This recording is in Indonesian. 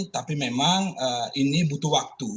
tapi memang ini butuh waktu